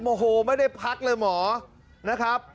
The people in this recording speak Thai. โอ้โหไม่ได้พักเลยหมอนะครับ